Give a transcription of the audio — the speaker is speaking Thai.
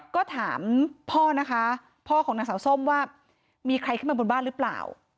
ก็ถามพ่อนะคะพ่อของนางสาวส้มว่ามีใครขึ้นมาบนบ้านหรือเปล่า